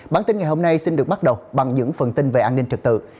bản tin ngày hôm nay xin được bắt đầu bằng những phần tin về an ninh trật tự